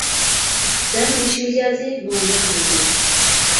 دەل مۇشۇ مىجەزى ماڭا ياقمايدۇ ماڭا.